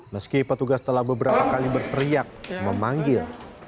meski petugas telah beberapa kali berteriak memanggil